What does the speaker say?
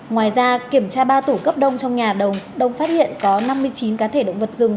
ngoài ra kiểm tra ba tủ cấp đông trong nhà đầu đông phát hiện có năm mươi chín cá thể động vật rừng